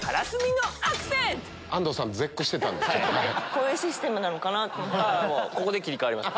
こういうシステムなのかなと。